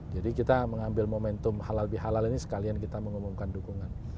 jadi kita mengambil momentum halal bihalal ini sekalian kita mengumumkan dukungan